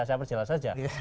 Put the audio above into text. saya perjelas saja